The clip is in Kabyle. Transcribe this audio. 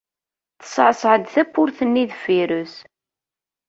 Teṣṣeɛṣeɛ-d tawwurt-nni deffir-s.